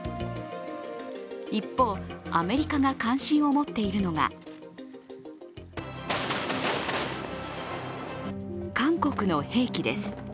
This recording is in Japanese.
一方、アメリカが関心を持っているのが韓国の兵器です。